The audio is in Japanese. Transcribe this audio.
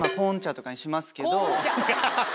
ハハハ！